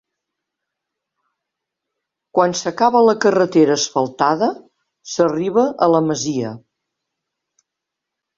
Quan s'acaba la carretera asfaltada, s'arriba a la masia.